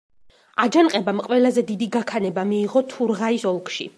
აჯანყებამ ყველაზე დიდი გაქანება მიიღო თურღაის ოლქში.